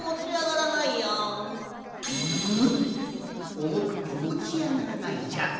おもくてもちあがらないじゃと！？